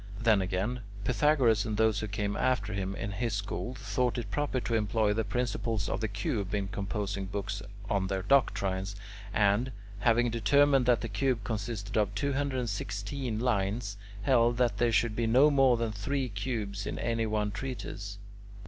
Then again, Pythagoras and those who came after him in his school thought it proper to employ the principles of the cube in composing books on their doctrines, and, having determined that the cube consisted of 216 lines, held that there should be no more than three cubes in any one treatise.